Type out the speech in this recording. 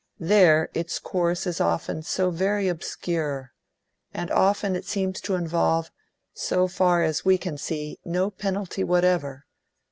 There its course is often so very obscure; and often it seems to involve, so far as we can see, no penalty whatever.